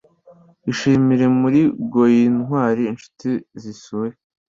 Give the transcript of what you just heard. Ishimire murugointwari-nshuti zisure